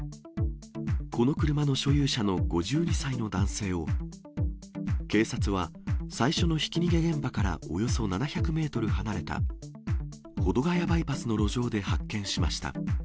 この車の所有者の５２歳の男性を、警察は最初のひき逃げ現場からおよそ７００メートル離れた保土ケ谷バイパスの路上で発見しました。